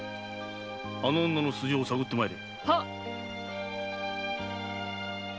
あの女の素性を探って参れ。